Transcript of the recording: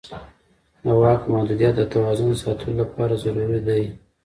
د واک محدودیت د توازن ساتلو لپاره ضروري دی